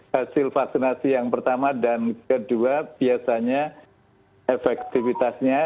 hasil vaksinasi yang pertama dan kedua biasanya efektivitasnya